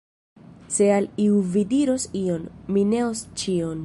Se al iu vi diros ion, mi neos ĉion.